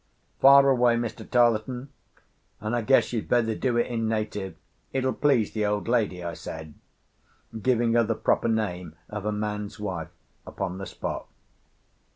Fire away, Mr. Tarleton. And I guess you'd better do it in native; it'll please the old lady," I said, giving her the proper name of a man's wife upon the spot.